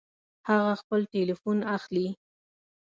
هغه خپل ټيليفون اخلي